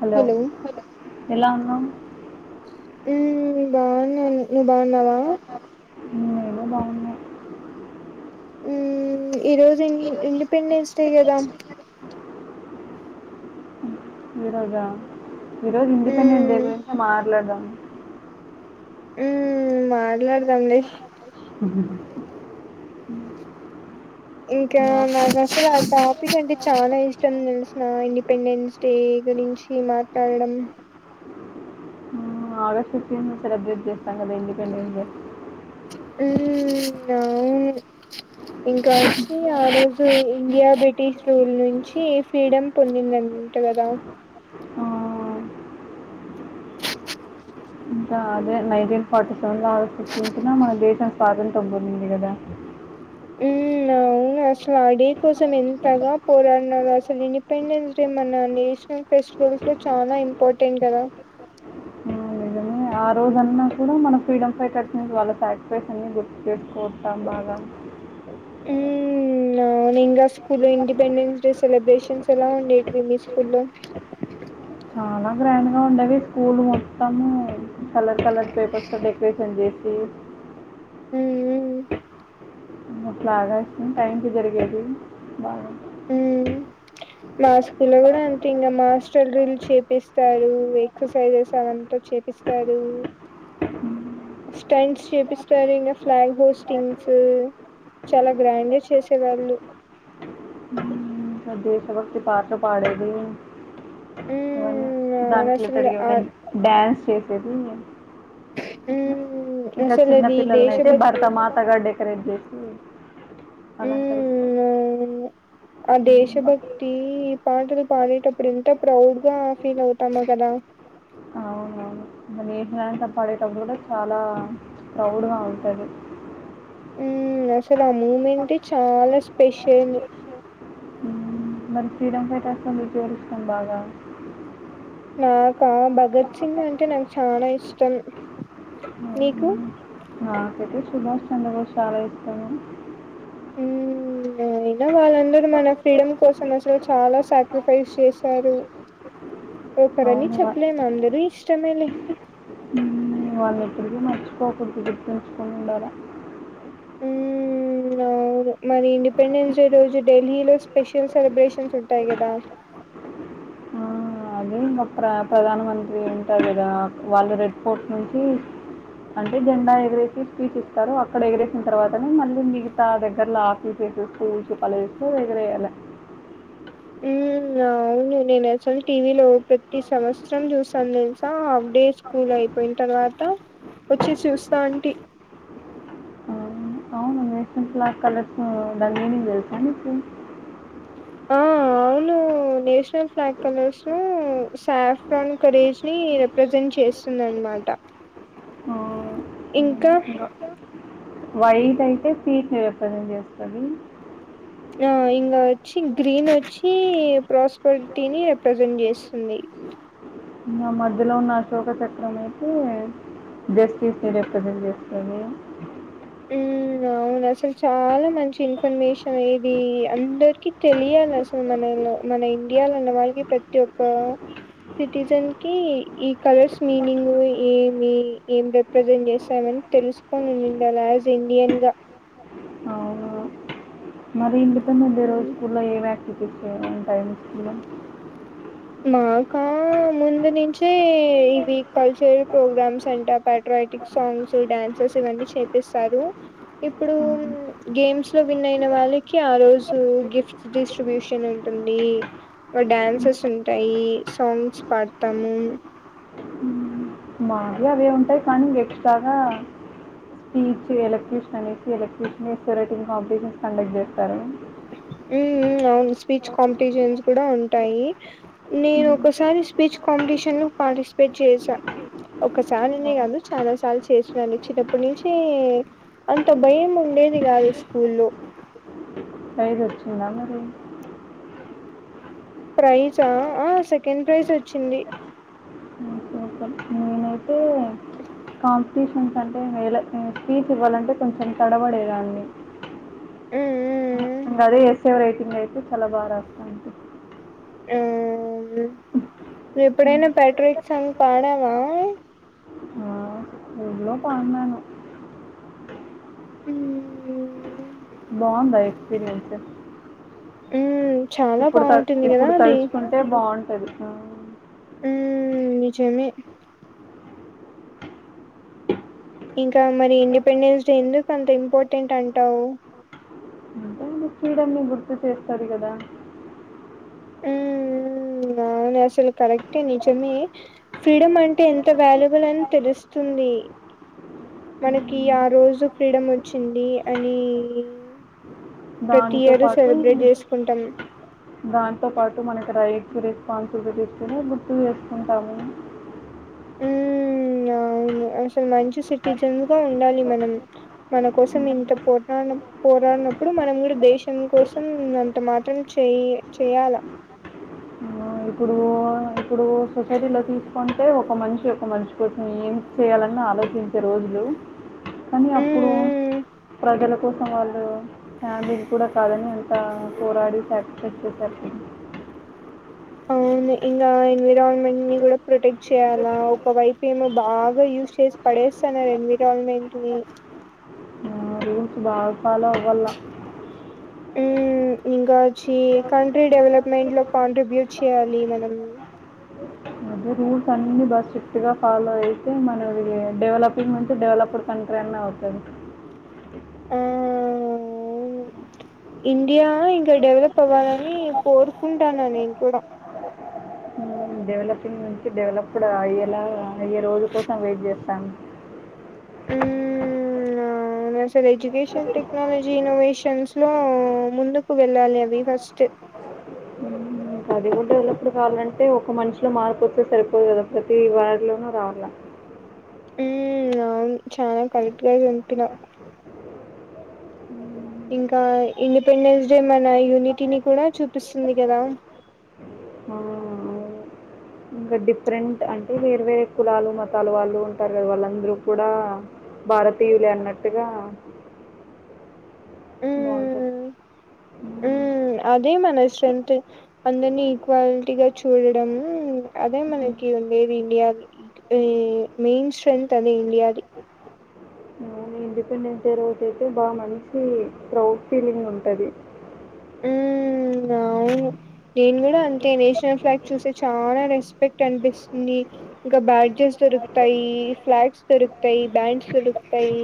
Hello! ఎలా ఉన్నావు? హ్మ్, బాన్నాను నువ్వు బాన్నావా? హ్మ్ ఏదో బాగున్నా. ఈ రోజు ఇండిపెండెన్స్ డే కదా? ఈ రోజా ఈ రోజు ఇండిపెండెంట్ డే మ్మ్ గురించే మాట్లాడదాం. హ్మ్, మాట్లాడదాం లే హు హు ఇంకా నాకు అసలు ఆ టాపిక్ అంటే చాలా ఇష్టం తెలిసినా ఇండిపెండెన్స్ డే గురించి మాట్లాడడం. మ్, ఆగష్టు ఫిఫ్టీన్త్ న సెలబ్రేట్ చేస్తాం కదా ఇండిపెండెన్స్ డే మ్, అవును. ఇంకా వచ్చి ఆ రోజు ఇండియా బ్రిటిష్ రూల్ నుంచి ఫ్రీడమ్ పొందింది. అంట కదా ఆ, ఇంకా అదే నైన్టీన్ ఫార్టీ సెవెన్ లో ఆగస్టు ఫిఫ్టీన్త్ న మన దేశం పాదం తో పొందింది కదా మ్, అవు అసలు ఆ డే కోసం ఎంతగా పోరాడినారు. అసలు ఇండిపెండెన్స్ డే మన నేషనల్ ఫెస్టి వల్ చాలా ఇంపార్టెంట్ కదా ఆ, నిజమే ఆ రోజన్నా కూడా మనం ఫ్రీడమ్ ఫైటర్స్ ని, వాళ్ళ సాక్రిఫైస్ని అన్నీ గుర్తు చేసుకుంటాం బాగా. మ్ అవును ఇంకా స్కూల్ లో ఇండిపెండెన్స్ డే సెలబ్రేషన్స్ ఎలా ఉండేవి మీ స్కూల్ లో [inaudible] చాలా గ్రాండ్ గా ఉండేవి స్కూల్ మొత్తము కలర్ కలర్ పేపర్స్ తో డెకరేషన్ చేసి [inaudible] మ్ హు హూ మా ఫ్లాగ్ హాయిస్టింగ్ టైంకి జరిగేది. బాగా మ్ మా స్కుల కూడా అంత ఇంగ మాస్టర్ డ్రిల్ చేపిస్తారు ఎక్సర్సైజెస్ అవంతా చేపిస్తారు [unintelligible] టైంకి చూపిస్తారు ఇంగా ఫ్లాగ్ హాయిస్టింగ్ సు చాలా గ్రాండ్ గా చేసే వాళ్ళు. దేశ భక్తి పాటలు పాడేది అ ఉమ్ అవును దాట్లో అసలు తడిగ ఆ ఏమన్నా డ్యాన్స్ చేసేది ఉమ్ [unintelligible] ఇంకా చిన్న అసలది పిల్లలని అయితే దేశభక్ భర్త మాత గడ ఎంకరేజ్ చేసి అలంకరిస్తారు ఉమ్ అవును ఆ దేశభక్తి ఈ పాటలు పాడేటప్పుడు ఉంటే ప్రౌడ్ గా ఫీల్ అవుతన్నవ్ కదా అవునవును నేషనల్ యంతం పాడేటప్పుడు కూడా చాలా ప్రౌడ్గా ఉంటది ఉం అసలు ఆ మూమెంట్ చాలా స్పెషల్ మ్మ్. మరి ఫ్రీడమ్ ఫైటర్స్తో మీకేవరిస్టం బాగా నాకా భగత్ సింగ్ అంటే నాకు చాలా ఇష్టం నీకు నాకయితే సుభాష్ చంద్రబోస్ చాలా ఇష్టము ఉమ్ అయినా వాళ్ళందరూ మన ఫ్రీడమ్ కోసం చాలా సాక్రిఫైస్ చేశారు ఓకరని అవును చేప్పలేను వా- అందరు ఇష్టమేలే హ్మ్. వాళ్ళని ఎప్పటికీ మర్చిపోకూడదు గుర్తుంచుకొని ఉండాలా [unintelligible] మరి ఇండిపెండెన్స్ డే రోజు ఢిల్లీలో స్పెషల్ సెలబ్రేషన్స్ ఉంటాయి కదా అ ఇంకా ప్ర ప్రధానమంత్రి ఉంటారు కదా వాళ్ళు రెడ్ ఫోర్ట్ నుంచి అంటే జెండా ఎగరేసి స్పీచ్ ఇస్తారు అక్కడ ఎగిరేసిన తర్వాతనే మళ్ళీ మిగతా దగ్గర్లో ఆఫీస్ కూల్ ప వగర అలా [unintelligible] అవును నేను అసలు టీవీలో ప్రతి సంవత్సరం చూసాను తెలుసా హాఫ్ డేస్ స్కూల్ అయిపోయిన తర్వాత వచ్చి చూస్తా అంటే ఉం నేషనల్ ఫ్లాగ్ కలర్స్ దాని మీనింగ్ తెలుసా నీకు ఆ అవును నేషనల్ ఫ్లాగ్ కలర్స్ ను సాఫ్రాన్ కరేజ్ ని రిప్రజెంట్ చేస్తున్నారు అన్నమాట ఆ! హ్మ్. ఇంకా వైట్ అయితే పీస్ ని రిప్రజెంట్ చేస్తది ఆ ఇంగ వచ్చి గ్రీన్ వచ్చి ప్రాస్పరిటీని రి ప్ర్రజెంట్ చేస్తుంది ఇంగ మధ్యలో ఉన్న అశోక చక్రం అయితే వస్తి మీ రే కది వస్ అ [unintelligible] ఉమ్ అవును అసలు చాలా మంచి ఇన్ఫర్మేషన్ ఇది అందరికి తెలియాలి అసలు మనలో మన ఇండియాలో ఉన్న వాళ్ళకి ప్రతి ఒక్క సిటిజన్ కి ఈ కలర్స్ మీనింగ్ ఏమి ఏం రిప్రజెంట్ చేస్తా తెలుసుకొనిండాల యాజ్ ఇండియన్ గా అవును. మరి ఇండిపెండెంట్ ఏ రోజు స్కూల్లో ఏం యాక్టివిటీస్ యంటాయి మీ స్కూల్లో మాకా ముందు నుంచి ఈవి కల్చరల్ ప్రోగ్రామ్స్ అంట పట్రాయాటిక్ సాంగ్స్ డ్యాన్సెస్ ఇవన్నీ చేపిస్తారు ఇప్పుడు హ్మ్. గేమ్స్ లో విన్ అయిన వాళ్ళకి ఆ రోజు గిఫ్ట్స్ డిస్ట్రిబ్యూషన్ ఉంటుంది డ్యాన్సెస్ ఉంటాయి సాంగ్స్ పాడతాము హ్మ్. మావి అవే ఉంటాయి కానీ ఇంగ ఎక్స్ట్రాగా స్పీచ్ ఎలక్ట్ర్రిషన్ అనేసి ఎలక్ట్ర్రిషన్ రైటింగ్ కాంపిటీషన్స్ కండక్ట్ చేస్తారు ఉ అవును స్పీచ్ కాంపిటీషన్స్ కూడా ఉంటాయి నేను హ్మ్. ఒకసారి స్పీచ్ కాంపిటీషన్ లో పార్టిసిపేట్ చేసా ఒకసారినే కాదు చాలా సార్లు చేసినను చిన్నప్పటి నుంచి అంత భయం ఉండేది గాదు స్కూల్లో ప్రైజోచ్చిందా మరి ప్రైజా ఆ సెకండ్ ప్రైజ్ వచ్చింది సూపర్ నేనైతే కాంపిటీషన్స్ అంటే ఇంగ ఎలా స్పీచ్ ఇవ్వాలంటే కొంచెం తడబడే దాన్ని ఆ ఇంగ అదే ఎస్ ఐ రైటింగ్ అయితే చాలా బాగా రాస్తా అంతే మ్ నువ్వు ఎప్పుడైనా పాట్రిక్ సాంగ్ పాడావా ఎప్పుడో పాడినాను మ్ బాగుందా ఎక్స్పీరియన్స్ మ్ ఇప్పుడు త ఇప్పుడు తలుచుకుంటే బాగుంటది ఆ ఉమ్ నిజమే ఇంకా మరి ఇండిపెండెన్స్ డే ఎందుకు అంత ఇంపార్టెంట్ అంటావు ఫ్రీడమ్ నీ గుర్తు చేస్తది కదా మ్ అవును అసలు కరెక్టే నిజమే ఫ్రీడమ్ అంటే ఎంత వాల్యుబుల్ అని తెలుస్ తుంది మనకి ఆ రోజు ఫ్రీడమ్ వచ్చింది అనీ దాంతో పాటు దాంతో పాట్ మనకి రైట్స్ రెస్పాన్సిబులిటీస్ కూడా గుర్తు చేసుకుంటాము ఉమ్ అవును అసలు మంచి సిటిజన్ గా ఉండాలి మనం మన కోసం ఇంత పోట్లాడినం పోరాడినప్ ప్పుడు మనం కూడా దేశం కోసం అంత మాత్రం చే చేయాల అ ఇప్పుడు ఇప్పుడు సొసైటీ లో తీసుకుంటే ఒక మనిషి ఒక మనిషి కోసం ఏం చేయాలన్నా ఆలోచించే రోజులు కానీ ఉమ్ అప్పుడు ఉమ్ ప్రజల కోసం వాళ్ళు ఫ్యామిలీ కూడా కాదని ఎంత పోరాడి సాక్రిఫైస్ చేశారు ఇంగా ఎన్విరాన్మెంట్ ని కూడా ప్రొటెక్ట్ చేయాలా ఒక వైపు ఏమో బాగా యూస్ చేసి ప డేస్తన్నారు ఎన్విరాల్మెంట్ ని కొంచ బాగా ఫాలో అవ్వాల ఉమ్ ఇంకా వచ్చి కంట్రీ డెవలప్మెంట్ లో కాంట్రిబ్యూట్ చేయాలి మనం అదే రూల్స్ అన్ని బాగా స్ట్రిక్ట్ గా ఫాలో అయితే మనం డెవలప్ నుంచి డవలప్డ్ కంట్రీ అన్న అవుతది ఉమ్ ఇండియా ఇంకా డెవలప్ అవ్వాలని కోరుకుంటాన్న నేను కూడా డెవలపింగ్ నుంచి డెవలప్డ్ అయ్యేలా అయ్యే రోజు కోసం వెయిట్ చేస్తాను నా అసలు ఎడ్యుకేషన్ టెక్నాలజీ ఇన్నోవేషన్స్ లో ముందుకు వెళ్ళాలి అవి ఫస్ట్ ఇంకా అది కూడా డెవలప్డ్ కావాలంటే ఒక మనిషిలో మార్పు వస్తే సరిపోదు కదా ప్రతి వారిలోనూ రావాల. ఊ అవును చానా కరెక్ట్గా చెప్పినవ్ ఇంకా ఇండిపెండెన్స్ డే మన యూనిటీని కూడా చూపిస్తుంది కదా మా ఇంకా డిఫరెంట్ అంటే వేర్ వేరే కులాలు మతాలు వాళ్ళు ఉంటారు కదా వాళ్ళందరూ కూడా భారతీయులే అన్నట్టుగా బాగుంటది ఊ ఉమ్ అదే మన స్ట్రెంగ్త్ అందరినీ ఈక్వాలిటీగా చూడడం ఊ అదే మన ఓకే ఉండేది ఇండియాది ఈ మెయిన్ స్ట్రెంగ్త్ అదే ఇండియాది ఇండిపెండెన్స్ డే రోజు అయితే బా మంచి ప్రౌడ్ ఫీలింగ్ ఉంటది. ఇంగ అవును నేను కూడా అంతే నేషనల్ ఫ్లాగ్ చూసే చానా రెస్పెక్ట్ అనిపిస్తుంది ఇంకా బ్యార్జెస్ దొరుకుతాయి ఫ్లాగ్స్ దొరుకుతాయి బ్యాండ్స్ దొరుకుతాయి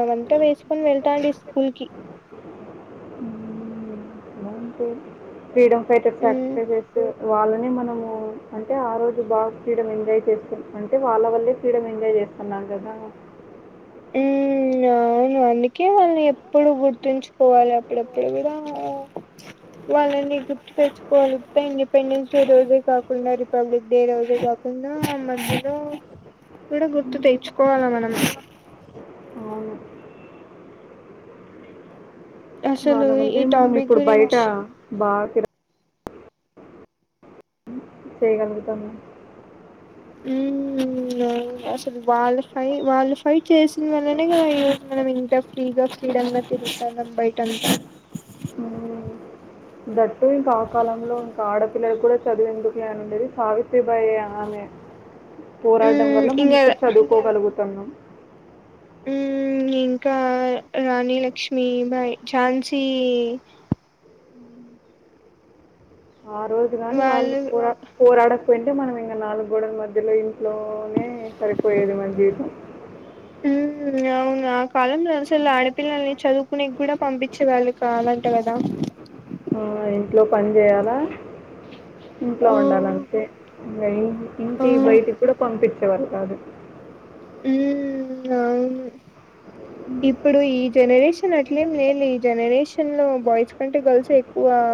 అవంతా వేసుకొని వెళ్ ఉంటాడి స్కూల్ కి హ్మ్. అంటే ఫ్రీడమ్ ఫైటర్ ఉమ్ సాక్రిఫైస్ చేస్తె వాళ్ళని మనము అంటే ఆ రోజు బాగా ఫ్రీడమ్ ఎంజాయ్ చేస్తాం అంటే వాళ్ళ వల్లే ఫ్రీడ ఎంజాయ్ చేస్తున్నాం కదా అవునవును నికే వాళ్ళని ఎప్పుడు గుర్తుంచుకోవాలి అప్పుడెప్పుడు కూడా వాళ్ళని గుర్త్ తెచ్చుకోవాలి పెండిపెండెన్స్ డే రోజే కాకుండా రిపబ్లిక్ డే రోజే కాకుండా మబ్బు రో కూడా గుర్తు తెచ్చుకోవాల మనం అవును. అసలు వాళ్ళ ఈ వళ్లే మనం టాపిక్ ఇప్పుడు బయట గురించి బాగా తిర చేయగలగుతనం ఊ ఆ అసలు వాళ్ళ ఫై వాళ్ళు ఫైట్ చేసిన వల్లనే మనం ఈ రోజు మనం ఇంత ఫ్రీగా ఫ్రీడం గా తిరుగుతనం బయిట అంత ఊ దట్టు ఇంకా ఆ కాలంలో ఇంకా ఆడపిల్లలు కూడా చదివే ఎందుకులే అని ఉండేది సావిత్రిబాయి ఆమె పోరాడం ఉమ్ వల్ల మనం ఇంగా ఇప్పుడు చదువుకోగలుగుతున్నాం ఊ ఇంకా రాణి లక్ష్మి బాయ్ ఝాన్సీ ఆ రోజు గాని వాళ్ళు పోర పోరాడక్ కుంటే మనం ఇంకా నాలుగు గోడల మధ్యల ఇంట్లోనే సరిపోయేది మన జీవితం అ ఊ అవును ఆ కాలంలో అసలు ఆడపిల్లల్ని చదువుకునే కూడా పంపించేవాళ్ళు కాదంట కదా ఆ ఇంట్లో పని చేయాలా ఇంట్లో ఆ వండాలంతే ఇంకా ఏం ఆ ఇంటి ఉమ్ బయటికి కూడా పంపించేవాళ్ళు కాదు ఊ ఆవును ఇప్పుడు ఈ జనరేషన్ అట్లేం లేదు ఈ జనరేషన్ లో బాయ్స్ కంటే గర్ల్స్ ఎక్కువ అ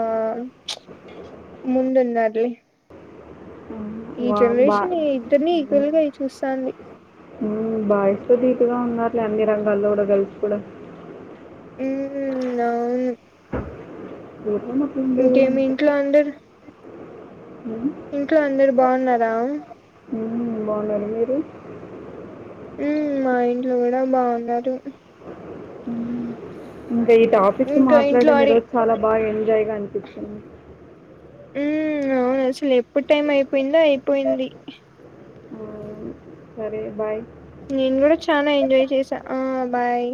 ప్చ్ ముందున్నారులే ఉమ్, ఈ వా- బా జనరేషన్ ఇద్దరిని ఈక్వల్గా అయి చూస్తాంది హు బాయ్స్ దీటుగా ఉన్నారులే అన్ని రంగాల్లో కూడా గర్ల్స్ కూడా. ఉహు్ అవును తోటమా పిండే ఇంకేమి ఇంట్లో అంతకే అందరు ఇంట్లో అందరు అందరూ బావున్నారా. హుమ్మ్ బావున్నార్ మీరు ఊమ్ మా ఇంట్లో గూడా బావున్నారు. హు్ ఉమ్, ఇంకా ఈ టాపిక్ ఇంకా ఇంట్లో మాట్లాడడం. అడి ఈరోజు చాలా బాగా ఎంజాయ్ గా అనిపించింన్ ఉమ్ అవును అసలు ఎప్పుడు టైం అయిపోయిందో అయిపోయింది. సరే బాయ్. నేను కూడా చాలా ఎంజాయ్ చేసా ఆ బాయ్